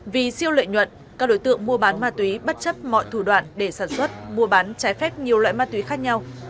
vì siêu lợi nhuận các đối tượng mua bán ma túy bất chấp mọi thủ đoạn để sản xuất mua bán trái phép nhiều loại ma túy khác nhau